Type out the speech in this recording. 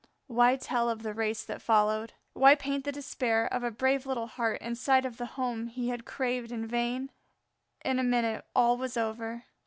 Why tell of the race that followed? Why paint the despair of a brave little heart in sight of the home he had craved in vain? in a minute all was over.